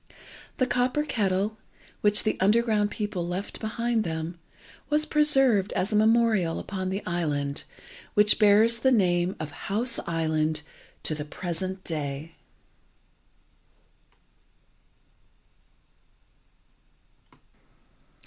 The copper kettle, which the underground people left behind them, was preserved as a memorial upon the island, which bears the name of House Island to the present day.